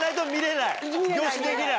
凝視できない？